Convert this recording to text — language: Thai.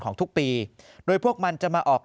ของทุกปีโดยพวกมันจะมาออก